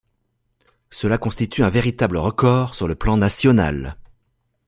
Cela constitue un véritable record sur le plan national.